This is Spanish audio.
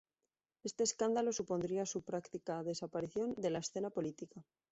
Este escándalo supondría su práctica desaparición de la escena política.